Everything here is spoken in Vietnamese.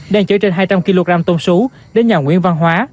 đang chở trên hai trăm linh kg tôm xú đến nhà nguyễn văn hóa